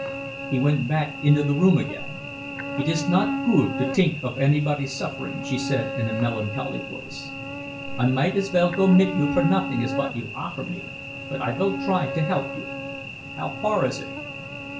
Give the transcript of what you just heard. He went back into the room again. "It is not goot to tink of anybody suffering," she said, in a melancholy voice. "I might as vell go mit you for noffing as vot you offer me, but I vill try to help you. How far is it?"